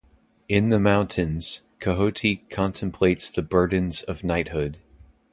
In the mountains, Quixote contemplates the burdens of knighthood.